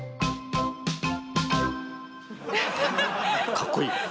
かっこいい。